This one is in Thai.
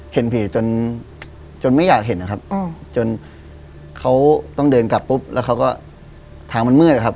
เห็นผีจนจนไม่อยากเห็นนะครับจนเขาต้องเดินกลับปุ๊บแล้วเขาก็ทางมันมืดนะครับ